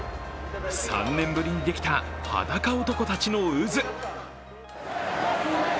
３年ぶりにできたはだか男たちの渦。